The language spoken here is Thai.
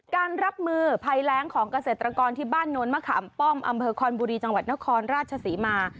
การรับมือภัยแรงของเกษตรกรที่บ้านโน้นมะขามป้อมอำเภอคอนบุรีจังหวัดนครราชศรีมา